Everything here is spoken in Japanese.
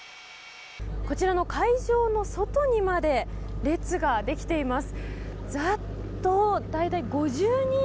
こちらの会場の外にまで列ができています。